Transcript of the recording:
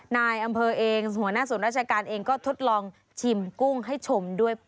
นายอำเภอเองหัวหน้าศูนย์ราชการเองก็ทดลองชิมกุ้งให้ชมด้วย